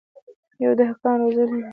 يوه دهقان روزلي دي.